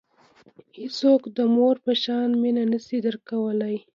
هیڅوک د مور په شان مینه نه شي درکولای.